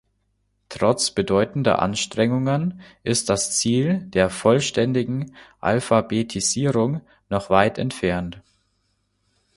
Trotz bedeutender Anstrengungen ist das Ziel der vollständigen Alphabetisierung noch weit entfernt.